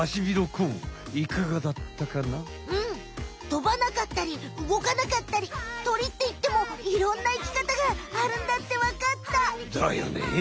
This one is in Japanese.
とばなかったり動かなかったり鳥っていってもいろんないきかたがあるんだってわかった。だよね。